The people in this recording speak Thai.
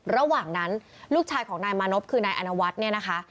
ระหว่างนั้นลูกชายของนายมานพคือนายอนวัฒน์เนี่ยนะคะ